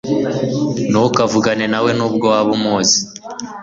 Ntukavugane na we nubwo waba umuzi